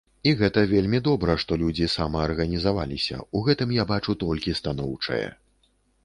І гэта вельмі добра, што людзі самаарганізаваліся, у гэтым я бачу толькі станоўчае.